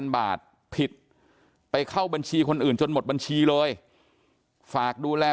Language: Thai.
บาทผิดไปเข้าบัญชีคนอื่นจนหมดบัญชีเลยฝากดูแล